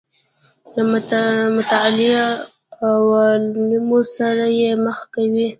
له متعالي عوالمو سره یې مخ کوي.